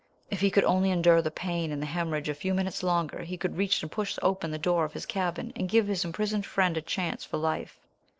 If he could only endure the pain and the hemorrhage a few minutes longer he could reach and push open the door of his cabin, and give his imprisoned friend a chance for life.